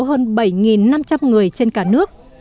hơn bảy năm trăm linh người trên cả nước